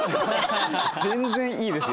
全然いいですよ。